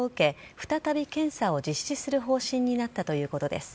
再び検査を実施する方針になったということです。